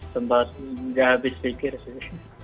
sempat nggak habis pikir sih